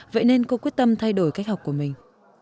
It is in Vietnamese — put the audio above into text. vậy nên cô quyết tâm thay đổi cách học của mình